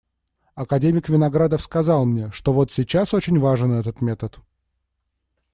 Академик Виноградов сказал мне, что вот сейчас очень важен этот метод.